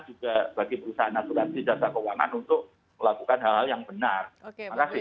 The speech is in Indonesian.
juga bagi perusahaan asuransi jasa keuangan untuk melakukan hal hal yang benar